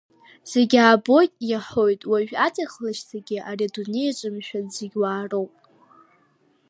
Зегь абоит, иаҳоит, уажә аҵх-лашьцагьы, ари Адунеиаҿ, мшәан, зегь уаароуп…